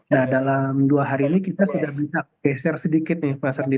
nah dalam dua hari ini kita sudah bisa geser sedikit nih pak serdi